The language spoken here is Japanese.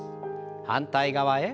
反対側へ。